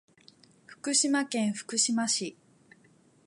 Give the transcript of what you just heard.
福島県福島市